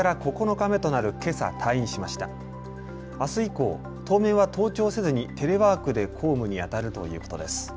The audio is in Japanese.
あす以降、当面は登庁せずにテレワークで公務にあたるということです。